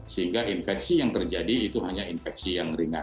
sehingga infeksi yang terjadi itu hanya infeksi yang ringan